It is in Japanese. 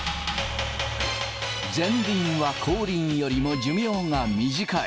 前輪は後輪よりも寿命が短い。